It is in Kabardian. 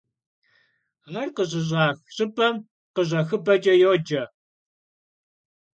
Ar khışış'ax ş'ıp'em khış'exıp'eç'e yoce.